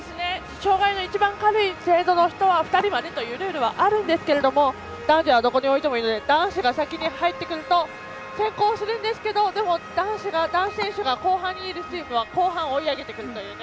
障がいの一番軽い程度の人は２人までというルールはあるんですけれども男女をどこに置いてもいいので男子が先に入ってくると先行しますが男子選手が後半にいるチームは後半、追い上げてくるという。